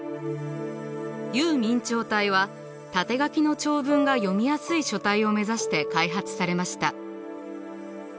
游明朝体は縦書きの長文が読みやすい書体を目指して開発されました。